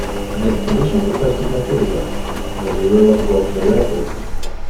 The expedition could proceed no further, as the river was blocked by rapids.